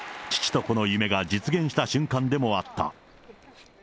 父と子の夢が実現した瞬間でもあった。